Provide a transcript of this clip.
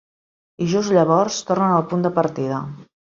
I just llavors tornen al punt de partida.